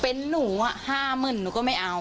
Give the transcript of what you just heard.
เป็นหนู๕๐๐๐หนูก็ไม่เอา